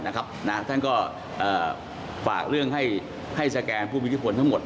ท่านก็ฝากเรื่องให้สแกนผู้มีอิทธิพลทั้งหมด